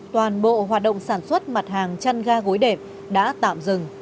toàn bộ hoạt động sản xuất mặt hàng chăn ga gối đệm đã tạm dừng